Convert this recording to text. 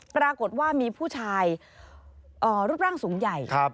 ปรากฏว่ามีผู้ชายรูปร่างสูงใหญ่